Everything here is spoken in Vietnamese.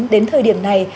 đến thời điểm này